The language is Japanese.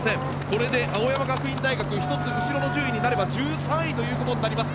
これで青山学院大学１つ後ろの順位になれば１３位となります。